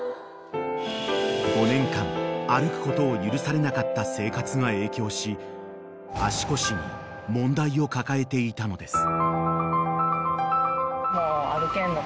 ［５年間歩くことを許されなかった生活が影響し足腰に問題を抱えていたのです］